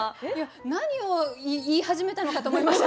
何を言い始めたのかと思いました。